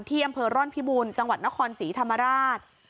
อำเภอร่อนพิบูรณ์จังหวัดนครศรีธรรมราช